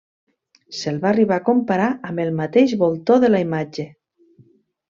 Se'l va arribar a comparar amb el mateix voltor de la imatge.